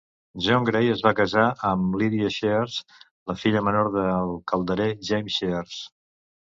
John Gray es va casar amb Lydia Shears, la filla menor del calderer James Shears.